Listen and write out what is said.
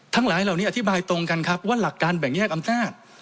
หลายเหล่านี้อธิบายตรงกันครับว่าหลักการแบ่งแยกอำนาจ